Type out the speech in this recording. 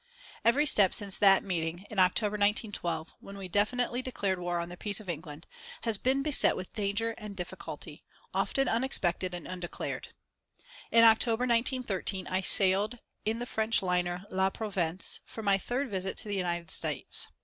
Every step since that meeting in October, 1912, when we definitely declared war on the peace of England, has been beset with danger and difficulty, often unexpected and undeclared. In October, 1913, I sailed in the French liner, La Provence, for my third visit to the United States.